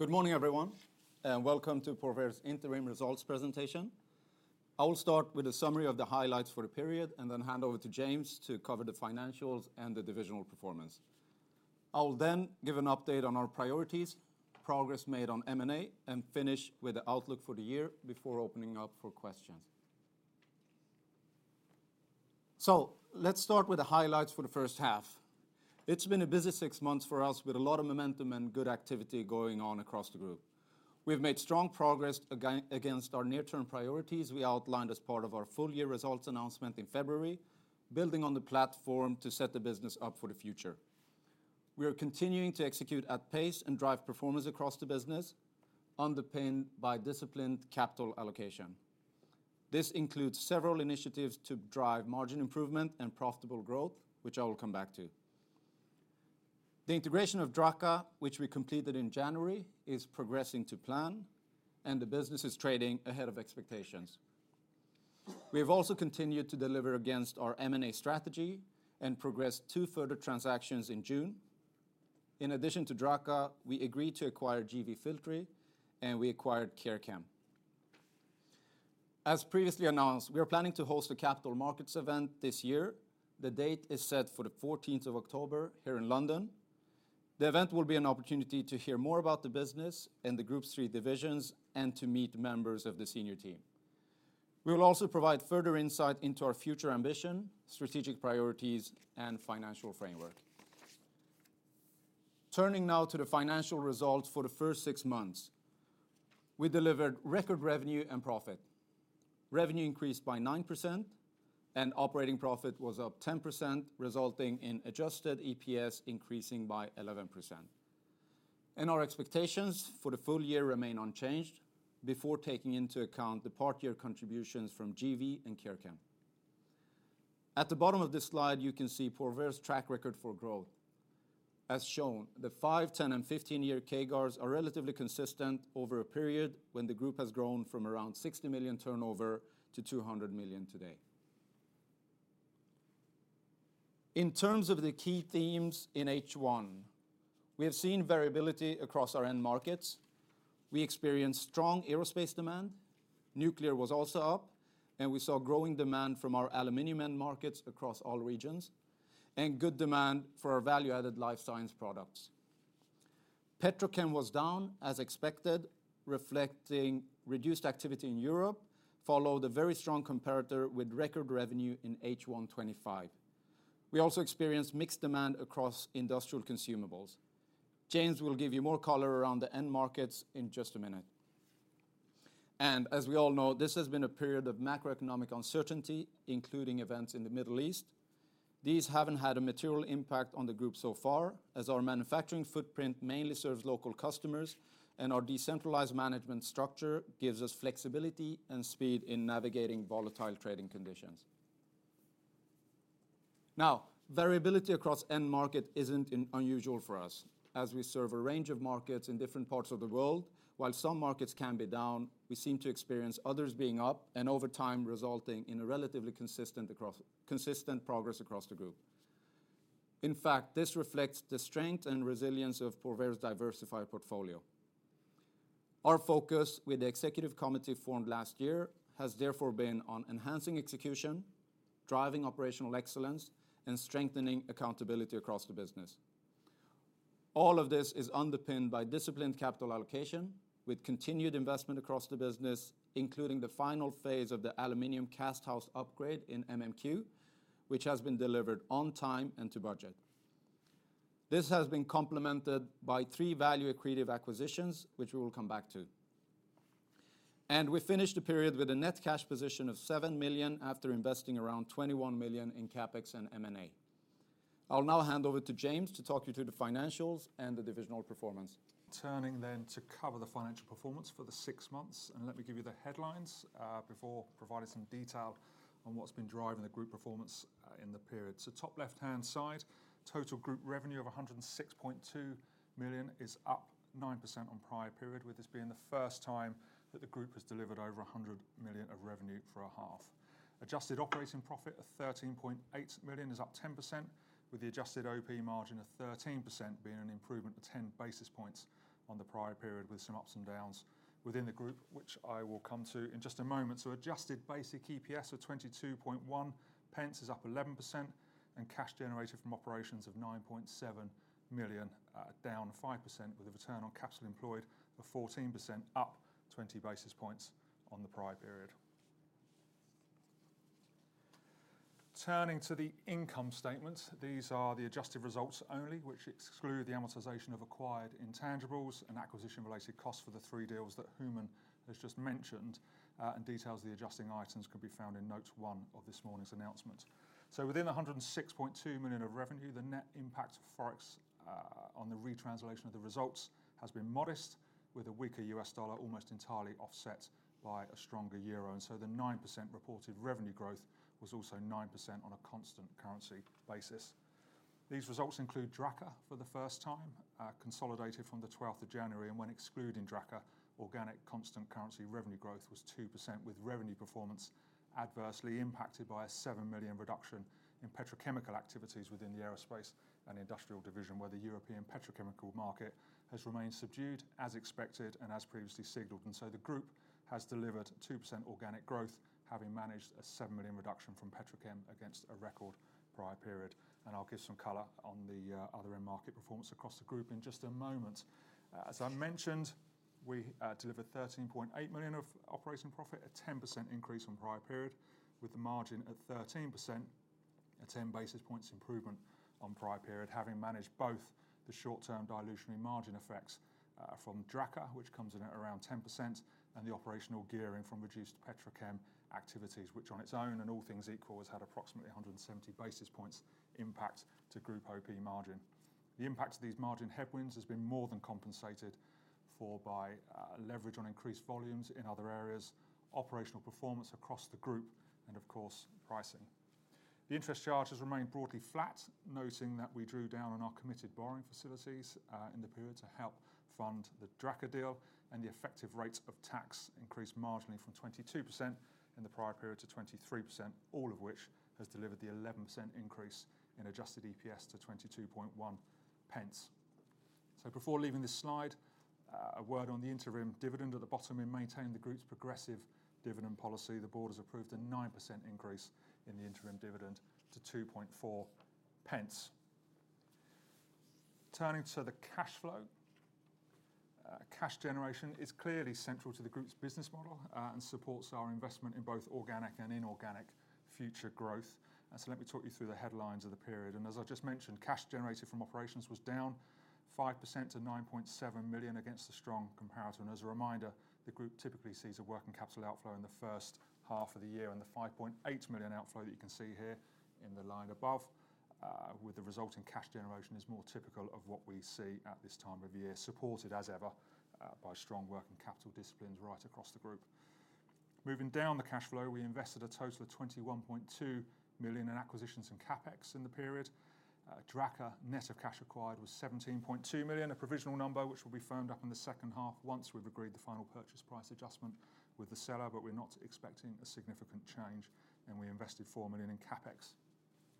Good morning, everyone, and welcome to Porvair's interim results presentation. I will start with a summary of the highlights for the period, and then hand over to James to cover the financials and the divisional performance. I will then give an update on our priorities, progress made on M&A, and finish with the outlook for the year before opening up for questions. Let's start with the highlights for the first half. It's been a busy six months for us, with a lot of momentum and good activity going on across the group. We've made strong progress against our near-term priorities we outlined as part of our full-year results announcement in February, building on the platform to set the business up for the future. We are continuing to execute at pace and drive performance across the business, underpinned by disciplined capital allocation. This includes several initiatives to drive margin improvement and profitable growth, which I will come back to. The integration of Drache, which we completed in January, is progressing to plan, and the business is trading ahead of expectations. We have also continued to deliver against our M&A strategy and progressed two further transactions in June. In addition to Drache, we agreed to acquire GV Filtri, and we acquired Carekem. As previously announced, we are planning to host a Capital Markets Event this year. The date is set for the 14th of October here in London. The event will be an opportunity to hear more about the business and the group's three divisions, and to meet members of the senior team. We will also provide further insight into our future ambition, strategic priorities, and financial framework. Turning now to the financial results for the first six months. We delivered record revenue and profit. Revenue increased by 9%, and operating profit was up 10%, resulting in adjusted EPS increasing by 11%. Our expectations for the full year remain unchanged before taking into account the part-year contributions from GV and Carekem. At the bottom of this slide, you can see Porvair's track record for growth. As shown, the five, 10, and 15-year CAGRs are relatively consistent over a period when the group has grown from around 60 million turnover to 200 million today. In terms of the key themes in H1, we have seen variability across our end markets. We experienced strong aerospace demand. Nuclear was also up, and we saw growing demand from our aluminum end markets across all regions, and good demand for our value-added life science products. Petrochem was down as expected, reflecting reduced activity in Europe, followed a very strong comparator with record revenue in H1 2025. We also experienced mixed demand across industrial consumables. James will give you more color around the end markets in just a minute. As we all know, this has been a period of macroeconomic uncertainty, including events in the Middle East. These haven't had a material impact on the group so far, as our manufacturing footprint mainly serves local customers, and our decentralized management structure gives us flexibility and speed in navigating volatile trading conditions. Variability across end market isn't unusual for us, as we serve a range of markets in different parts of the world. While some markets can be down, we seem to experience others being up, and over time, resulting in a relatively consistent progress across the group. In fact, this reflects the strength and resilience of Porvair's diversified portfolio. Our focus with the Executive Committee formed last year has therefore been on enhancing execution, driving operational excellence, and strengthening accountability across the business. All of this is underpinned by disciplined capital allocation with continued investment across the business, including the final phase of the aluminum cast house upgrade in MMQ, which has been delivered on time and to budget. This has been complemented by three value-accretive acquisitions, which we will come back to. We finished the period with a net cash position of 7 million after investing around 21 million in CapEx and M&A. I will now hand over to James to talk you through the financials and the divisional performance. Turning then to cover the financial performance for the six months, let me give you the headlines, before providing some detail on what has been driving the group performance in the period. Top left-hand side, total group revenue of 106.2 million is up 9% on prior period, with this being the first time that the group has delivered over 100 million of revenue for a half. Adjusted operating profit of 13.8 million is up 10%, with the adjusted OP margin of 13% being an improvement of 10 basis points on the prior period, with some ups and downs within the group, which I will come to in just a moment. Adjusted basic EPS of 0.221 is up 11%, and cash generated from operations of 9.7 million, down 5%, with a return on capital employed of 14%, up 20 basis points on the prior period. Turning to the income statement, these are the adjusted results only, which exclude the amortization of acquired intangibles and acquisition-related costs for the three deals that Hooman has just mentioned, and details of the adjusting items can be found in note one of this morning's announcement. Within the 106.2 million of revenue, the net impact of Forex on the retranslation of the results has been modest, with a weaker U.S. dollar almost entirely offset by a stronger euros, and so the 9% reported revenue growth was also 9% on a constant currency basis. These results include Drache for the first time, consolidated from the 12th of January, and when excluding Drache, organic constant currency revenue growth was 2%, with revenue performance adversely impacted by a 7 million reduction in petrochemical activities within the Aerospace & Industrial division where the European petrochemical market has remained subdued as expected and as previously signaled. The group has delivered 2% organic growth, having managed a 7 million reduction from Petrochem against a record prior period. I will give some color on the other end market performance across the group in just a moment. As I mentioned, we delivered 13.8 million of operating profit, a 10% increase on prior period with the margin at 13%, a 10 basis points improvement on prior period, having managed both the short-term dilution in margin effects from Drache, which comes in at around 10% and the operational gearing from reduced Petrochem activities, which on its own and all things equal, has had approximately 170 basis points impact to group OP margin. The impact of these margin headwinds has been more than compensated for by leverage on increased volumes in other areas, operational performance across the group, and of course, pricing. The interest charge has remained broadly flat, noting that we drew down on our committed borrowing facilities, in the period to help fund the Drache deal and the effective rate of tax increased marginally from 22% in the prior period to 23%, all of which has delivered the 11% increase in adjusted EPS to 0.221. Before leaving this slide, a word on the interim dividend at the bottom. In maintaining the group's progressive dividend policy, the board has approved a 9% increase in the interim dividend to 0.024. Turning to the cash flow. Cash generation is clearly central to the group's business model, and supports our investment in both organic and inorganic future growth. Let me talk you through the headlines of the period. As I just mentioned, cash generated from operations was down 5% to 9.7 million against the strong comparison. As a reminder, the group typically sees a working capital outflow in the first half of the year, and the 5.8 million outflow that you can see here in the line above, with the resulting cash generation is more typical of what we see at this time of year, supported as ever by strong working capital disciplines right across the group. Moving down the cash flow, we invested a total of 21.2 million in acquisitions and CapEx in the period. Drache net of cash acquired was 17.2 million, a provisional number which will be firmed up in the second half once we have agreed the final purchase price adjustment with the seller. We are not expecting a significant change. We invested 4 million in CapEx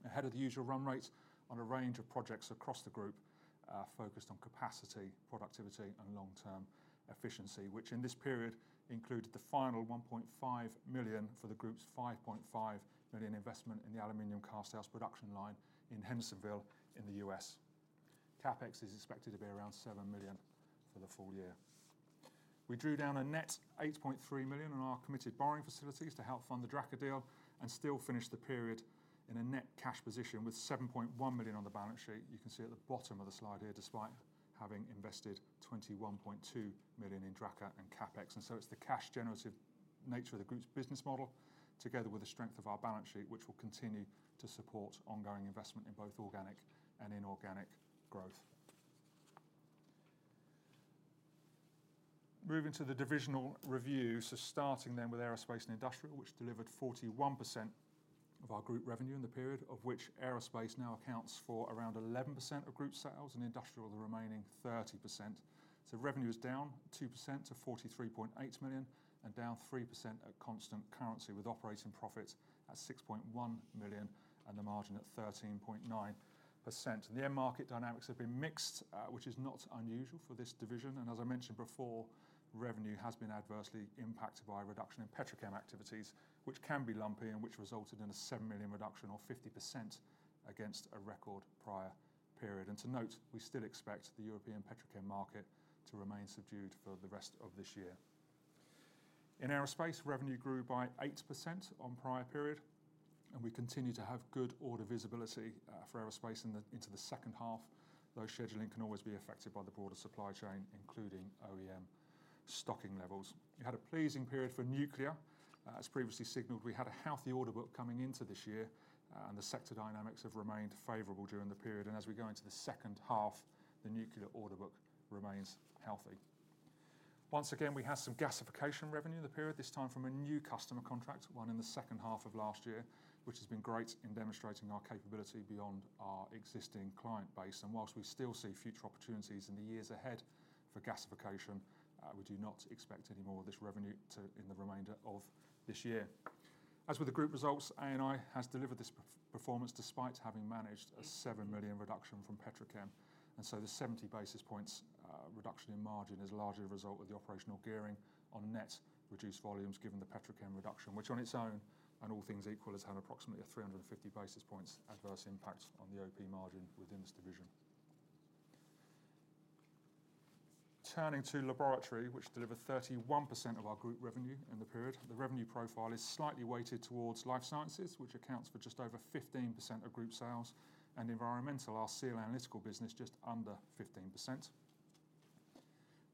ahead of the usual run rates on a range of projects across the group, focused on capacity, productivity, and long-term efficiency, which in this period included the final 1.5 million for the group's 5.5 million investment in the aluminum casthouse production line in Hendersonville in the U.S. CapEx is expected to be around 7 million for the full year. We drew down a net 8.3 million on our committed borrowing facilities to help fund the Drache deal and still finish the period in a net cash position with 7.1 million on the balance sheet. You can see at the bottom of the slide here, despite having invested 21.2 million in Drache and CapEx. It's the cash generative nature of the group's business model together with the strength of our balance sheet, which will continue to support ongoing investment in both organic and inorganic growth. Moving to the divisional review. Starting with Aerospace & Industrial, which delivered 41% of our group revenue in the period of which aerospace now accounts for around 11% of group sales and industrial the remaining 30%. Revenue is down 2% to 43.8 million and down 3% at constant currency with operating profits at 6.1 million and the margin at 13.9%. The end market dynamics have been mixed, which is not unusual for this division. As I mentioned before, revenue has been adversely impacted by a reduction in Petrochem activities, which can be lumpy and which resulted in a 7 million reduction or 50% against a record prior period. To note, we still expect the European Petrochem market to remain subdued for the rest of this year. In aerospace, revenue grew by 8% on prior period, and we continue to have good order visibility for aerospace into the second half, though scheduling can always be affected by the broader supply chain, including OEM stocking levels. We had a pleasing period for nuclear. As previously signaled, we had a healthy order book coming into this year, and the sector dynamics have remained favorable during the period. As we go into the second half, the nuclear order book remains healthy. Once again, we have some gasification revenue in the period, this time from a new customer contract, won in the second half of last year, which has been great in demonstrating our capability beyond our existing client base. Whilst we still see future opportunities in the years ahead for gasification, we do not expect any more of this revenue in the remainder of this year. As with the group results, A&I has delivered this performance despite having managed a 7 million reduction from Petrochem, the 70 basis points reduction in margin is largely a result of the operational gearing on net reduced volumes given the Petrochem reduction, which on its own and all things equal, has had approximately a 350 basis points adverse impact on the OP margin within this division. Turning to laboratory, which delivered 31% of our group revenue in the period. The revenue profile is slightly weighted towards life sciences, which accounts for just over 15% of group sales and environmental, our SEAL Analytical business just under 15%.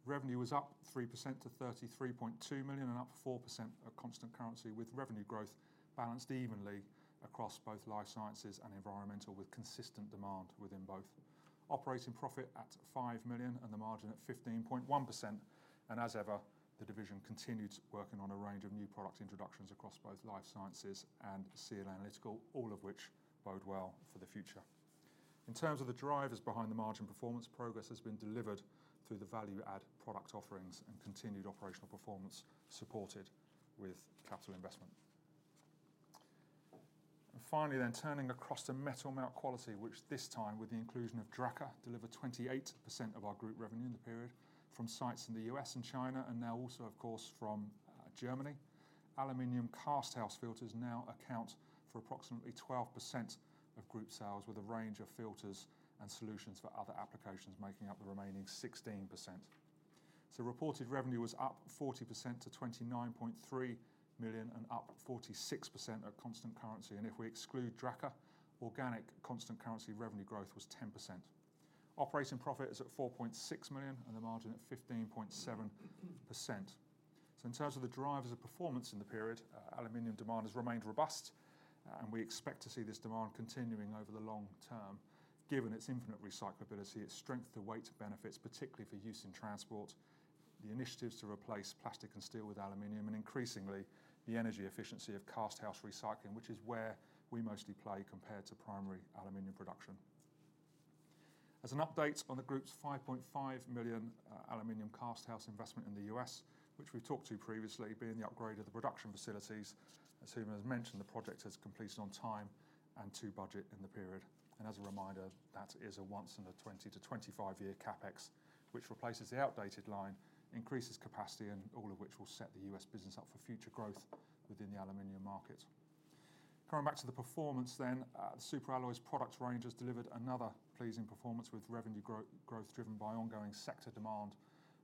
Revenue was up 3% to 33.2 million and up 4% at constant currency with revenue growth balanced evenly across both life sciences and environmental with consistent demand within both. Operating profit at 5 million and the margin at 15.1%. As ever, the division continued working on a range of new product introductions across both life sciences and SEAL Analytical, all of which bode well for the future. In terms of the drivers behind the margin performance, progress has been delivered through the value-add product offerings and continued operational performance supported with capital investment. Finally, turning across to Metal Melt Quality, which this time, with the inclusion of Drache, delivered 28% of our group revenue in the period from sites in the U.S. and China, and now also, of course, from Germany. Aluminum casthouse filters now account for approximately 12% of group sales, with a range of filters and solutions for other applications making up the remaining 16%. Reported revenue was up 40% to 29.3 million and up 46% at constant currency. If we exclude Drache, organic constant currency revenue growth was 10%. Operating profit is at 4.6 million and the margin at 15.7%. In terms of the drivers of performance in the period, aluminum demand has remained robust, and we expect to see this demand continuing over the long term, given its infinite recyclability, its strength-to-weight benefits, particularly for use in transport, the initiatives to replace plastic and steel with aluminum, and increasingly, the energy efficiency of casthouse recycling, which is where we mostly play compared to primary aluminum production. As an update on the group's 5.5 million aluminum casthouse investment in the U.S., which we've talked to previously, being the upgrade of the production facilities, as Hooman has mentioned, the project has completed on time and to budget in the period. As a reminder, that is a once in a 20-25 year CapEx, which replaces the outdated line, increases capacity, and all of which will set the U.S. business up for future growth within the aluminum market. Coming back to the performance, the superalloys products range has delivered another pleasing performance with revenue growth driven by ongoing sector demand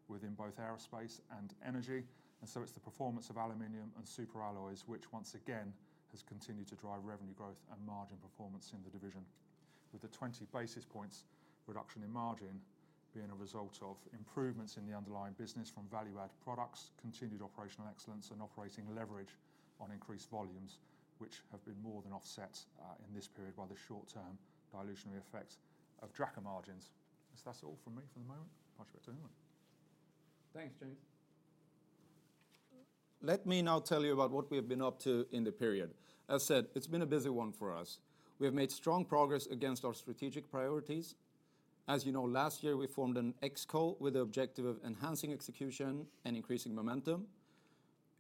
within both aerospace and energy. It's the performance of aluminum and superalloys, which once again has continued to drive revenue growth and margin performance in the division. With the 20 basis points reduction in margin being a result of improvements in the underlying business from value-add products, continued operational excellence, and operating leverage on increased volumes, which have been more than offset in this period by the short-term dilutionary effects of Drache margins. That's all from me for the moment. Back to you, Hooman. Thanks, James. Let me now tell you about what we have been up to in the period. As said, it's been a busy one for us. We have made strong progress against our strategic priorities. As you know, last year, we formed an ExCo with the objective of enhancing execution and increasing momentum.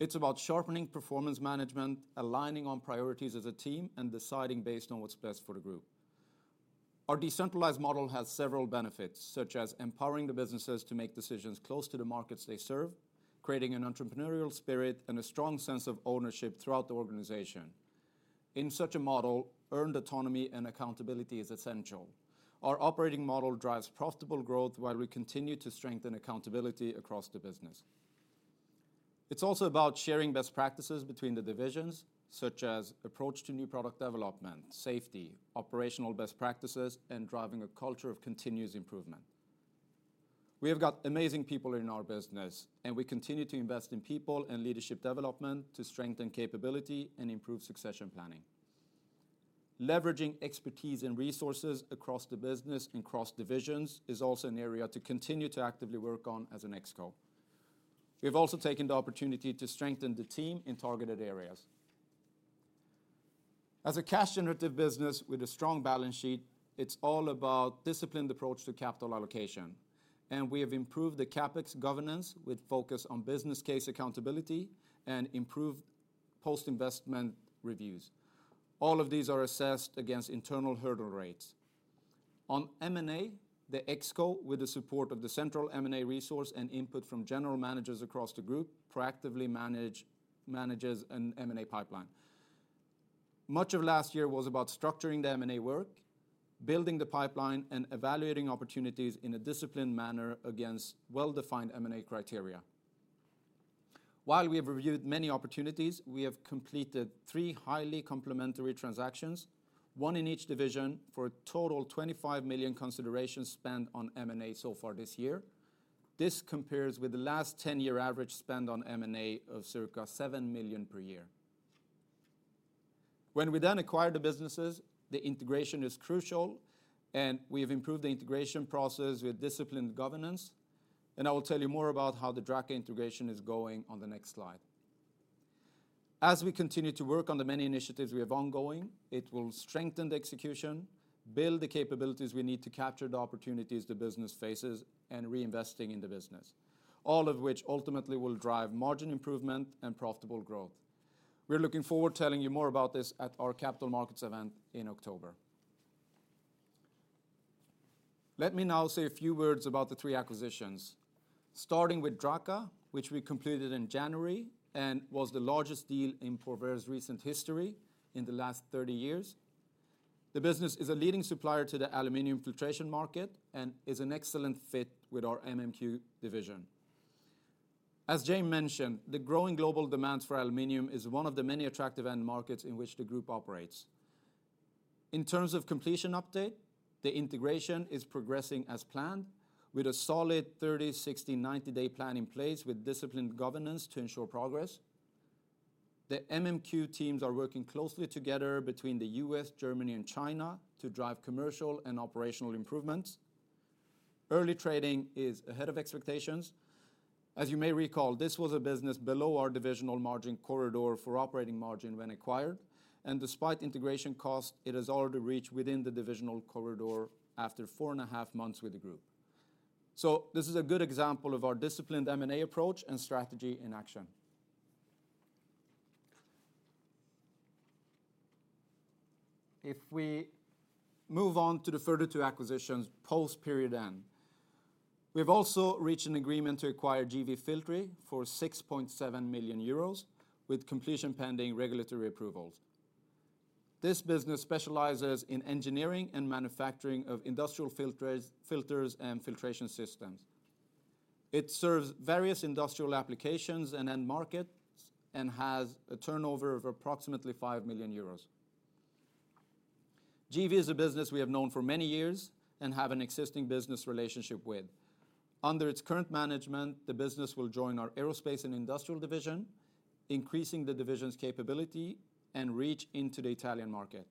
It's about sharpening performance management, aligning on priorities as a team, and deciding based on what's best for the group. Our decentralized model has several benefits, such as empowering the businesses to make decisions close to the markets they serve, creating an entrepreneurial spirit, and a strong sense of ownership throughout the organization. In such a model, earned autonomy and accountability is essential. Our operating model drives profitable growth while we continue to strengthen accountability across the business. It's also about sharing best practices between the divisions, such as approach to new product development, safety, operational best practices, and driving a culture of continuous improvement. We have got amazing people in our business, and we continue to invest in people and leadership development to strengthen capability and improve succession planning. Leveraging expertise and resources across the business and across divisions is also an area to continue to actively work on as an ExCo. We've also taken the opportunity to strengthen the team in targeted areas. As a cash-generative business with a strong balance sheet, it's all about disciplined approach to capital allocation, and we have improved the CapEx governance with focus on business case accountability and improved post-investment reviews. All of these are assessed against internal hurdle rates. On M&A, the ExCo, with the support of the central M&A resource and input from general managers across the group, proactively manages an M&A pipeline. Much of last year was about structuring the M&A work, building the pipeline, and evaluating opportunities in a disciplined manner against well-defined M&A criteria. While we have reviewed many opportunities, we have completed three highly complementary transactions, one in each division, for a total 25 million consideration spent on M&A so far this year. This compares with the last 10-year average spend on M&A of circa 7 million per year. When we then acquire the businesses, the integration is crucial and we have improved the integration process with disciplined governance, and I will tell you more about how the Drache integration is going on the next slide. As we continue to work on the many initiatives we have ongoing, it will strengthen the execution, build the capabilities we need to capture the opportunities the business faces, and reinvesting in the business. All of which ultimately will drive margin improvement and profitable growth. We are looking forward telling you more about this at our Capital Markets Event in October. Let me now say a few words about the three acquisitions. Starting with Drache, which we completed in January and was the largest deal in Porvair's recent history in the last 30 years. The business is a leading supplier to the aluminum filtration market and is an excellent fit with our MMQ division. As James mentioned, the growing global demands for aluminum is one of the many attractive end markets in which the group operates. In terms of completion update, the integration is progressing as planned with a solid 30, 60, 90-day plan in place with disciplined governance to ensure progress. The MMQ teams are working closely together between the U.S., Germany, and China to drive commercial and operational improvements. Early trading is ahead of expectations. As you may recall, this was a business below our divisional margin corridor for operating margin when acquired, and despite integration cost, it has already reached within the divisional corridor after four and a half months with the group. This is a good example of our disciplined M&A approach and strategy in action. We move on to the further two acquisitions post period end, we've also reached an agreement to acquire GV Filtri for 6.7 million euros with completion pending regulatory approvals. This business specializes in engineering and manufacturing of industrial filters and filtration systems. It serves various industrial applications and end markets and has a turnover of approximately 5 million euros. GV is a business we have known for many years and have an existing business relationship with. Under its current management, the business will join our Aerospace & Industrial division, increasing the division's capability and reach into the Italian market.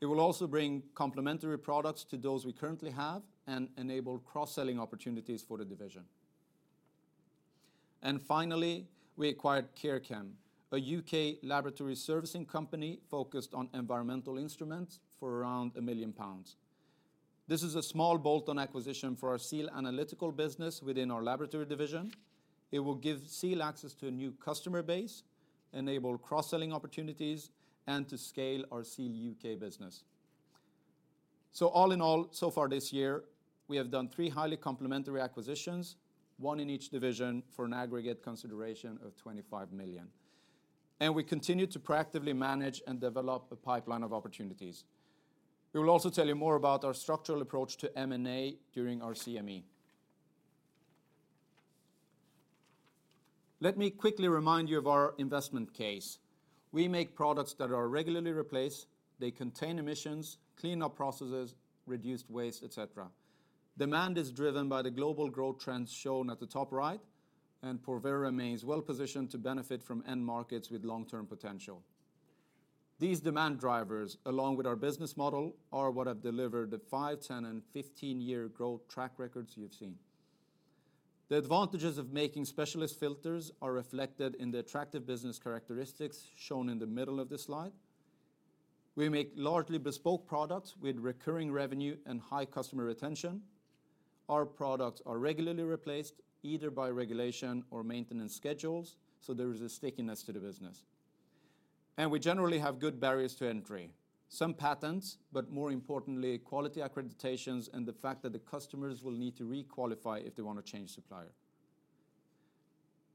It will also bring complementary products to those we currently have and enable cross-selling opportunities for the division. Finally, we acquired Carekem, a U.K. laboratory servicing company focused on environmental instruments for around 1 million pounds. This is a small bolt-on acquisition for our SEAL Analytical business within our Laboratory division. It will give SEAL access to a new customer base, enable cross-selling opportunities, and to scale our SEAL U.K. business. All in all, so far this year, we have done three highly complementary acquisitions, one in each division for an aggregate consideration of 25 million, and we continue to proactively manage and develop a pipeline of opportunities. We will also tell you more about our structural approach to M&A during our CME. Let me quickly remind you of our investment case. We make products that are regularly replaced. They contain emissions, clean up processes, reduced waste, et cetera. Demand is driven by the global growth trends shown at the top right, Porvair remains well-positioned to benefit from end markets with long-term potential. These demand drivers, along with our business model, are what have delivered the five, 10, and 15-year growth track records you've seen. The advantages of making specialist filters are reflected in the attractive business characteristics shown in the middle of the slide. We make largely bespoke products with recurring revenue and high customer retention. Our products are regularly replaced, either by regulation or maintenance schedules, so there is a stickiness to the business. We generally have good barriers to entry. Some patents, more importantly, quality accreditations and the fact that the customers will need to re-qualify if they want to change supplier.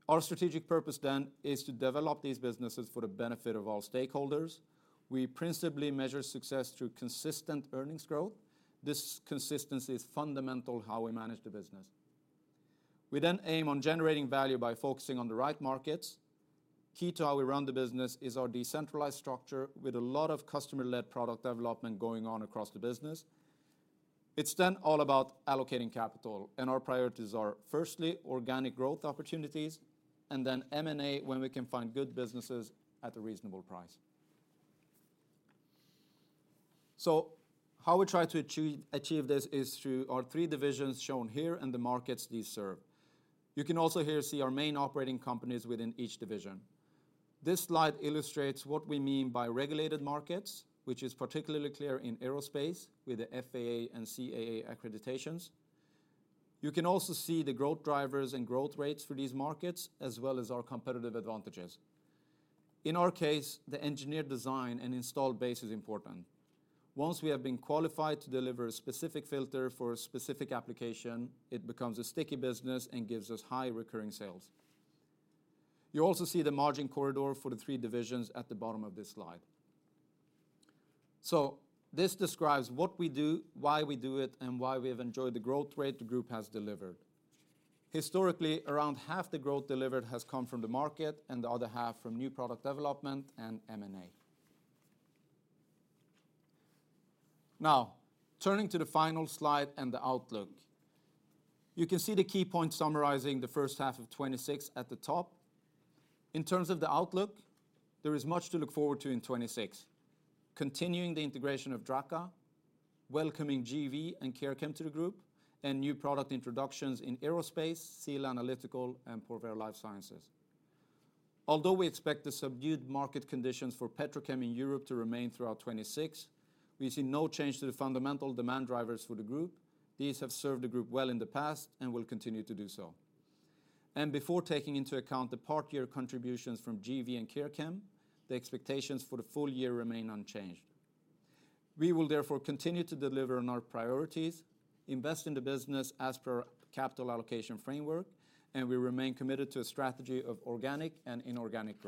Our strategic purpose then is to develop these businesses for the benefit of all stakeholders. We principally measure success through consistent earnings growth. This consistency is fundamental how we manage the business. We aim on generating value by focusing on the right markets. Key to how we run the business is our decentralized structure with a lot of customer-led product development going on across the business. All about allocating capital, and our priorities are firstly, organic growth opportunities, and then M&A when we can find good businesses at a reasonable price. How we try to achieve this is through our three divisions shown here and the markets these serve. You can also here see our main operating companies within each division. This slide illustrates what we mean by regulated markets, which is particularly clear in Aerospace with the FAA and CAA accreditations. You can also see the growth drivers and growth rates for these markets, as well as our competitive advantages. In our case, the engineered design and installed base is important. Once we have been qualified to deliver a specific filter for a specific application, it becomes a sticky business and gives us high recurring sales. You also see the margin corridor for the three divisions at the bottom of this slide. This describes what we do, why we do it, and why we have enjoyed the growth rate the group has delivered. Historically, around half the growth delivered has come from the market and the other half from new product development and M&A. Turning to the final slide and the outlook. You can see the key points summarizing the first half of 2026 at the top. In terms of the outlook, there is much to look forward to in 2026. Continuing the integration of Drache, welcoming GV and Carekem to the group, and new product introductions in aerospace, SEAL Analytical, and Porvair Sciences. Although we expect the subdued market conditions for Petrochem in Europe to remain throughout 2026, we see no change to the fundamental demand drivers for the group. These have served the group well in the past and will continue to do so. Before taking into account the part year contributions from GV and Carekem, the expectations for the full year remain unchanged. We will therefore continue to deliver on our priorities, invest in the business as per capital allocation framework, we remain committed to a strategy of organic and inorganic growth.